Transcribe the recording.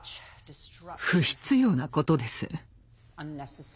不必要なことです。